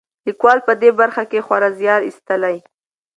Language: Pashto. لیکوال په دې برخه کې خورا زیار ایستلی.